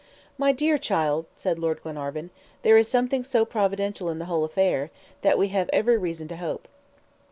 "My dear child," said Lord Glenarvan, "there is something so providential in the whole affair, that we have every reason to hope.